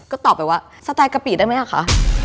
ก็ตอบไปว่าสไตล์กะปิได้ไหมอ่ะคะ